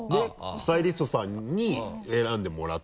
スタイリストさんに選んでもらって。